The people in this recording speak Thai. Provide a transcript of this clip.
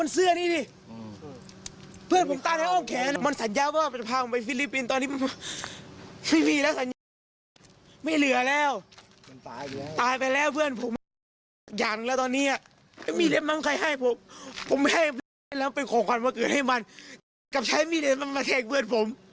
เซ็ตติดยาอาวุธ